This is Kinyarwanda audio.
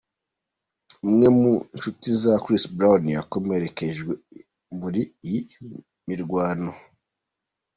Umwe mu nshuti za Chris Brown yakomerekeye muri iyi mirwano.